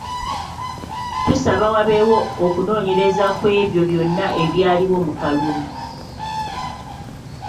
Tusaba wabeewo okunoonyereza ku ebyo byonna ebyaliwo mu kalulu.